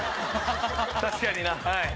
確かになはい。